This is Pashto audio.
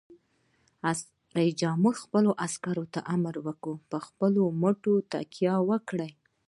رئیس جمهور خپلو عسکرو ته امر وکړ؛ په خپلو مټو تکیه وکړئ!